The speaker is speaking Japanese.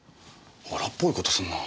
荒っぽいことするな。